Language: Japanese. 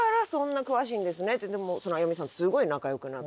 であやみさんとすごい仲良くなって。